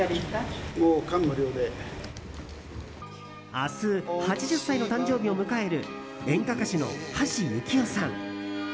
明日、８０歳の誕生日を迎える演歌歌手の橋幸夫さん。